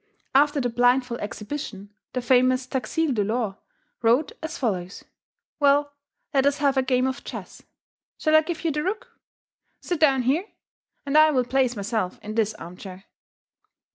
After the blindfold exhibition, the famous Taxile Delord wrote as follows: "Well, let us have a game of chess. Shall I give you the rook? Sit down here, and I will place myself in this arm chair."